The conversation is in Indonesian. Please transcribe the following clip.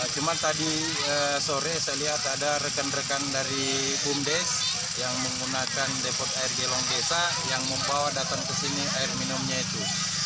cuma tadi sore saya lihat ada rekan rekan dari bumdes yang menggunakan depot air gelong desa yang membawa datang ke sini air minumnya itu